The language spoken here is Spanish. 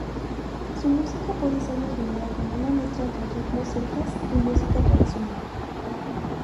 Su música puede ser definida como una mezcla entre ritmos celtas y música tradicional.